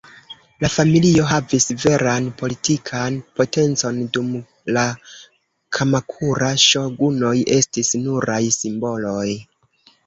La familio havis veran politikan potencon, dum la Kamakura-ŝogunoj estis nuraj simboloj.